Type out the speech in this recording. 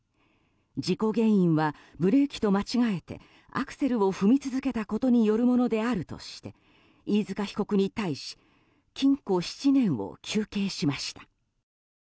事故原因はブレーキと間違えてアクセルを踏み続けたことによるものであるとして飯塚被告に対し禁固７年を求刑しました。